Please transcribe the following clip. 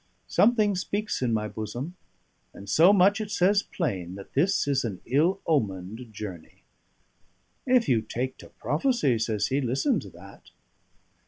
Something speaks in my bosom; and so much it says plain that this is an ill omened journey." "If you take to prophecy," says he, "listen to that."